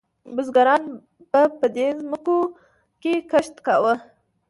بزګرانو به په دې ځمکو کې کښت کاوه.